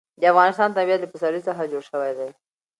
د افغانستان طبیعت له پسرلی څخه جوړ شوی دی.